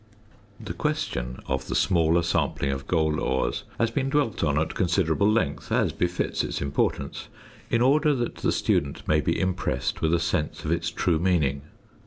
The question of the smaller sampling of gold ores has been dwelt on at considerable length, as befits its importance, in order that the student may be impressed with a sense of its true meaning.